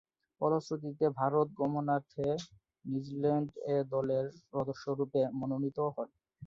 ফলশ্রুতিতে, ভারত গমনার্থে New Zealand A দলের সদস্যরূপে মনোনীত হন।